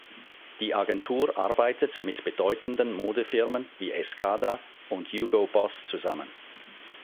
Die Agentur arbeitet mit bedeutenden Modefirmen wie Escada und Hugo Boss zusammen.